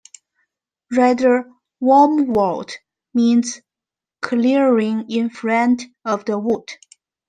"Radevormwald" means "clearing in front of the wood".